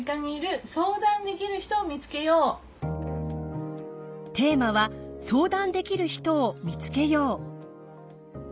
第５回テーマは「相談できる人を見つけよう」。